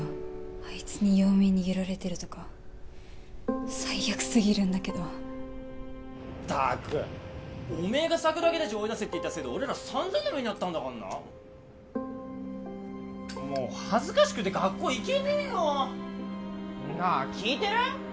あいつに弱み握られてるとか最悪すぎるんだけどったくおめえが桜木達追い出せって言ったせいで俺らさんざんな目に遭ったんだからなもう恥ずかしくて学校行けねえよなあ聞いてる？